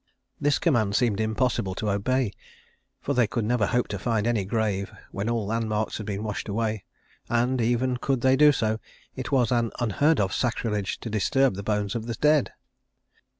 This command seemed impossible to obey; for they could never hope to find any grave, when all landmarks had been washed away; and, even could they do so, it was an unheard of sacrilege to disturb the bones of the dead.